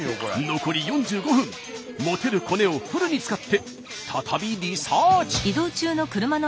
持てるコネをフルに使って再びリサーチ！